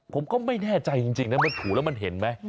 ผมก็ไม่แน่ใจจริงนะมันถูแล้วมันเห็นไหม